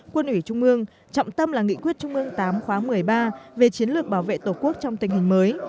quân ủy trung ương trọng tâm là nghị quyết trung ương tám khóa một mươi ba về chiến lược bảo vệ tổ quốc trong tình hình mới